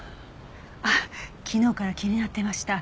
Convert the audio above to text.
あっ昨日から気になっていました。